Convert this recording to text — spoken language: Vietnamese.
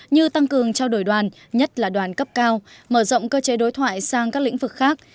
như tăng cường trao đổi đoàn nhất là đoàn cấp cao mở rộng cơ chế đối thoại sang các lĩnh vực khác